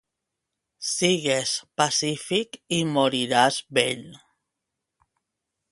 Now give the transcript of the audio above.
Sigues pacífic i moriràs vell.